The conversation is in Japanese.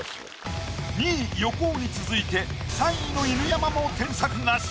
２位横尾に続いて３位の犬山も添削なし。